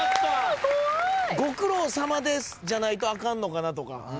「ご苦労さまです」じゃないとあかんのかなとか。